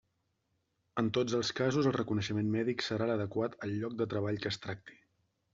En tots els casos el reconeixement mèdic serà l'adequat al lloc de treball que es tracti.